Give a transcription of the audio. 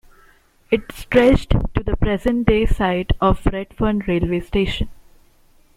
It stretched to the present day site of Redfern railway station.